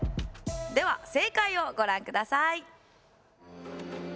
では正解をご覧ください。